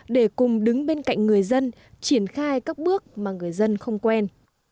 để cùng đứng bên cạnh người dân triển khai các bước mà người dân không quen